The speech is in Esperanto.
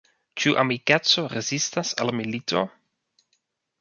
Ĉu amikeco rezistas al milito?